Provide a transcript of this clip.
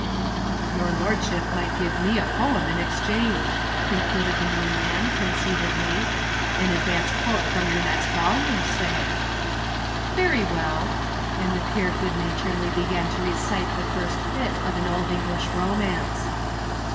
Your lordship might give me a poem in exchange," concluded the Moon man conceitedly. "An advance quote from your next volume, say." "Very well," and the peer good naturedly began to recite the first fytte of an old English romance.